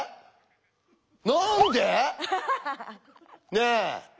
ねえ。